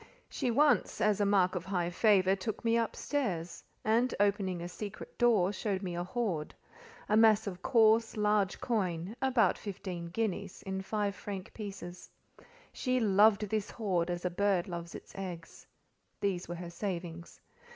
She once, as a mark of high favour, took me up stairs, and, opening a secret door, showed me a hoard—a mass of coarse, large coin—about fifteen guineas, in five franc pieces. She loved this hoard as a bird loves its eggs. These were her savings.